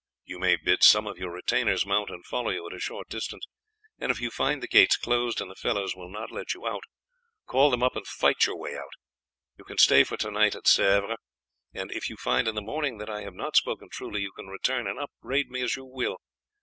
You may bid some of your retainers mount and follow you at a short distance, and if you find the gates closed and the fellows will not let you out, call them up and fight your way out. You can stay for to night at Sèvres, and if you find in the morning that I have not spoken truly you can return and upbraid me as you will.